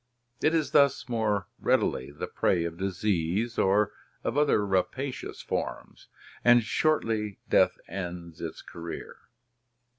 It is thus more readily the prey of disease or of other rapa cious forms, and shortly death ends its career.